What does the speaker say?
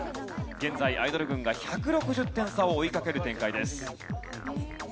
現在アイドル軍が１６０点差を追いかける展開です。